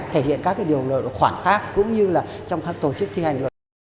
thể hiện các cái điều khoản khác cũng như là trong các tổ chức thi hành